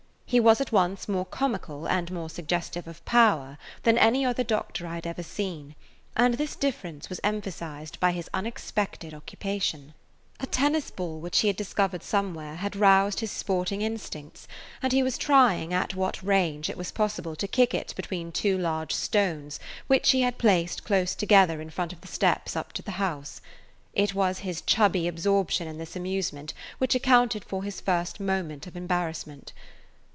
He was at once more comical and more suggestive of power than any other doctor I had ever seen, and this difference was emphasized by his unexpected [Page 147] occupation. A tennis ball which he had discovered somewhere had roused his sporting instincts, and he was trying at what range it was possible to kick it between two large stones which he had placed close together in front of the steps up to the house. It was his chubby absorption in this amusement which accounted for his first moment of embarrassment.